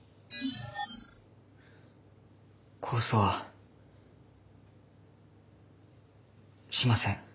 控訴はしません。